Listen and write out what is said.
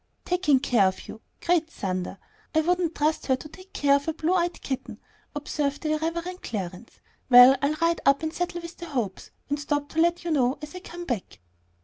"Taking care of you! Great thunder! I wouldn't trust her to take care of a blue eyed kitten," observed the irreverent Clarence. "Well, I'll ride up and settle with the Hopes, and stop and let you know as I come back."